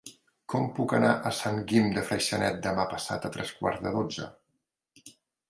Com puc anar a Sant Guim de Freixenet demà passat a tres quarts de dotze?